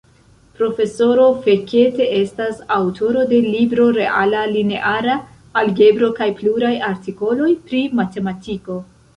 Profesoro Fekete estas aŭtoro de libro Reala Lineara Algebro kaj pluraj artikoloj pri matematiko.